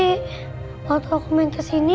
tapi waktu aku main kesini